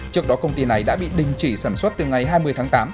trước đó công ty này đã bị đình chỉ sản xuất từ ngày hai mươi tháng tám